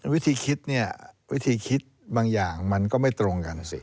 วิธีคิดเนี่ยวิธีคิดบางอย่างมันก็ไม่ตรงกันนะสิ